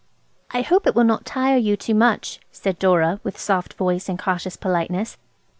"I hope it will not tire you too much," said Dora, with soft voiced and cautious politeness.